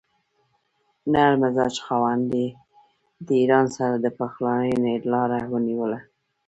نرم مزاج خاوند یې د ایران سره د پخلاینې لاره ونیوله.